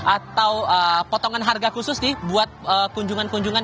atau potongan harga khusus nih buat kunjungan kunjungan